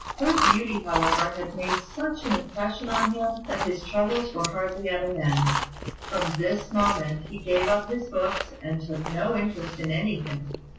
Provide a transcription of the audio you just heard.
Her beauty, however, had made such an impression on him that his troubles were hardly at an end. From this moment he gave up his books, and took no interest in anything.